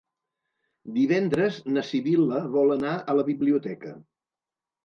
Divendres na Sibil·la vol anar a la biblioteca.